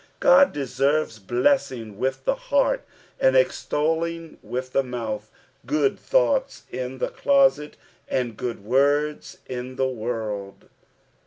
God deserves blessing with the heart, and extolling with the mouth — good thoughts in the closet, and good words in the world.